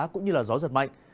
cũng như là gió giật mạnh